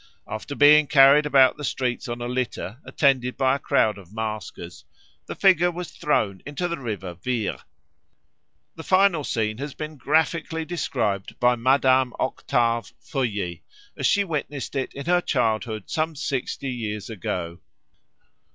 After being carried about the streets on a litter attended by a crowd of maskers, the figure was thrown into the River Vire. The final scene has been graphically described by Madame Octave Feuillet as she witnessed it in her childhood some sixty years ago.